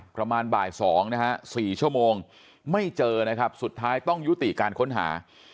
ประมาณบ่าย๒นะฮะ๔ชั่วโมงไม่เจอนะครับสุดท้ายต้องยุติการค้นหา